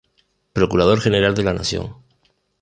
Procurador General de la Nación.